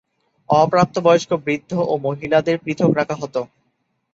অপ্রাপ্তবয়স্ক, বৃদ্ধ ও মহিলাদের পৃথক রাখা হত।